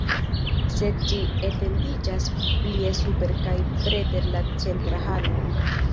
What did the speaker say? Sed ĝi etendiĝas plie super kaj preter la centra halo.